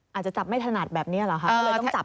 อาจจะจับไม่ถนัดแบบนี้หรือคะ